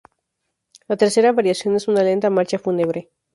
La tercera variación es una lenta marcha fúnebre.